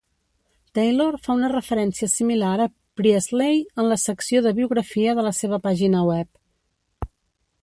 Taylor fa una referència similar a Priestley en la secció de biografia de la seva pàgina web.